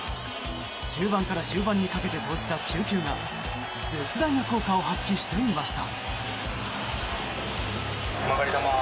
中盤から終盤にかけて投じた９球が絶大な効果を発揮していました。